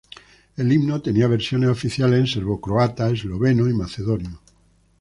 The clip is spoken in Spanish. El himno tenía versiones oficiales en serbocroata, esloveno y macedonio.